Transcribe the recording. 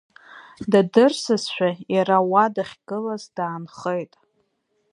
Дадырсызшәа иара уа дахьгылаз даанхеит.